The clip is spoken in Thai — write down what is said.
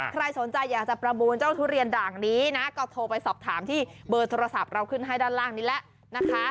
ใครสนใจอยากจะประมูลเจ้าทุเรียนด่างนี้นะก็โทรไปสอบถามที่เบอร์โทรศัพท์เราขึ้นให้ด้านล่างนี้แล้วนะคะ